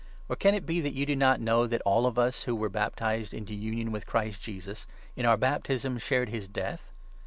Or can it be that you do not know that all of us, who were 3 baptized into union with Christ Jesus, in our baptism shared his death